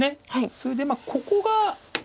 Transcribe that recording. それでここが。